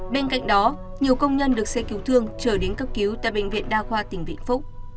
bên cạnh đó nhiều công nhân được xe cứu thương trở đến cấp cứu tại bệnh viện đa khoa tỉnh vĩnh phúc